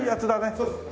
そうですね。